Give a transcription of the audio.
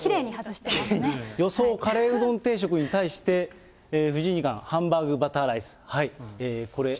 予想、カレーうどん定食に対して、藤井二冠、ハンバーグバターライス。